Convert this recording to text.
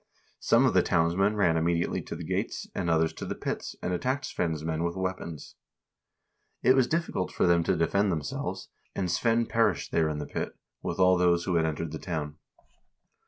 Some of the townsmen ran immediately to the gates, and others to the pits, and attacked Svein's men with weapons. It was difficult for them to defend themselves, and Svein perished there in the pit, with all those who had entered the town."